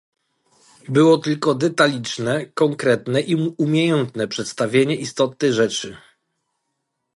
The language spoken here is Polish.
"Były tylko detaliczne, konkretne i umiejętne przedstawienie istoty rzeczy."